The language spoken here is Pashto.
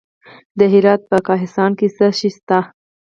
د هرات په کهسان کې څه شی شته؟